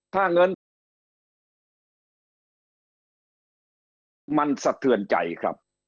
ถ้าเงินปันมันสะเทือนใจครับ